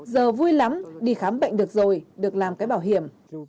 giờ vui lắm đi khám bệnh được rồi được làm cái bảo hiểm